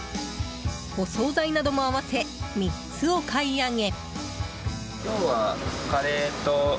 お総菜なども合わせ３つお買い上げ。